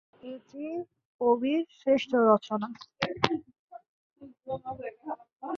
এটি কবির শ্রেষ্ঠ রচনা।